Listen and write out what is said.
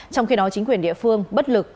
trong khi đó chính quyền địa phương bất lực